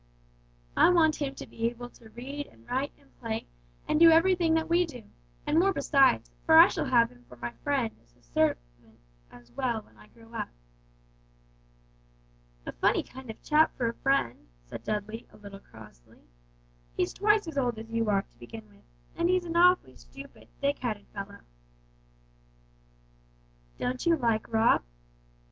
"I want him to be able to read and write and play, and do everything that we do, and more besides, for I shall have him for my friend as well as a servant when I grow up." "A funny kind of chap for a friend," said Dudley, a little crossly; "he's twice as old as you are, to begin with, and he's an awfully stupid, thick headed fellow." "Don't you like Rob?"